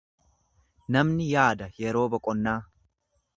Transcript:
Namni yaada yeroo boqonnaa.